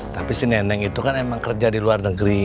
tapi si nenek itu kan emang kerja di luar negeri